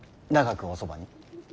長くおそばに？